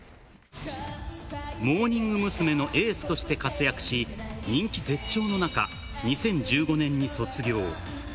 モーニング娘。のエースとして活躍し、人気絶頂の中、２０１５年に卒業。